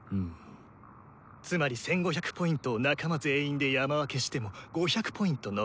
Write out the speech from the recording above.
つまり１５００Ｐを仲間全員で山分けしても５００Ｐ残る。